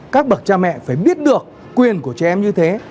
các bậc cha mẹ phải biết được quyền của trẻ em như thế